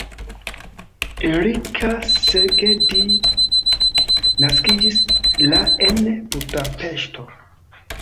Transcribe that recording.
Erika Szegedi naskiĝis la en Budapeŝto.